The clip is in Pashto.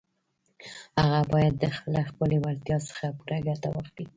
هغه بايد له خپلې وړتيا څخه پوره ګټه واخلي.